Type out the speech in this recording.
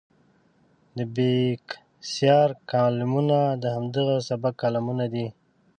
د بېکسیار کالمونه د همدغه سبک کالمونه دي.